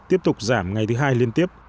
tiếp tục giảm ngày thứ hai liên tiếp